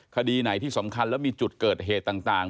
คดีไหนที่สำคัญแล้วมีจุดเกิดเหตุต่าง